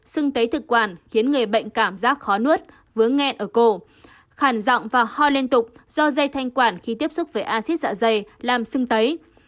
sưng tấy thực quản khiến người bệnh cảm giác khó nuốt vướng nghẹn ở cổ khả giọng và ho liên tục do dây thanh quản khi tiếp xúc với acid dạ dày làm sưng tấy